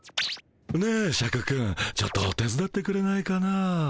ねえシャクくんちょっと手伝ってくれないかな？